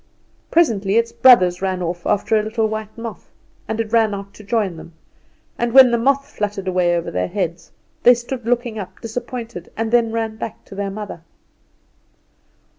Presently its brothers ran off after a little white moth and it ran out to join them; and when the moth fluttered away over their heads they stood looking up disappointed, and then ran back to their mother.